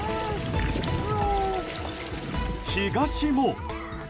東も。